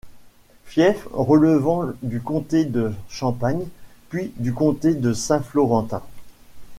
Fief relevant du comté de Champagne, puis du comté de Saint-Florentin.